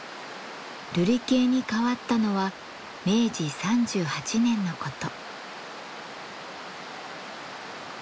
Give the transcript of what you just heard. るり渓に変わったのは明治３８年のこと。